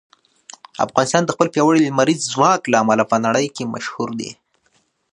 افغانستان د خپل پیاوړي لمریز ځواک له امله په ټوله نړۍ کې مشهور دی.